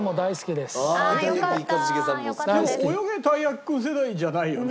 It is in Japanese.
でも『およげ！たいやきくん』世代じゃないよね。